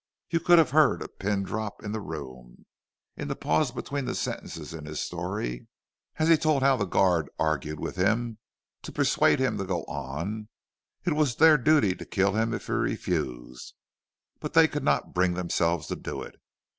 You could have heard a pin drop in the room, in the pause between sentences in his story, as he told how the guard argued with him to persuade him to go on. It was their duty to kill him if he refused, but they could not bring themselves to do it.